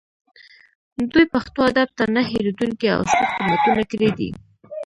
دوی پښتو ادب ته نه هیریدونکي او ستر خدمتونه کړي دي